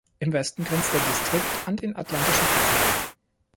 Im Westen grenzt der Distrikt an den atlantischen Ozean.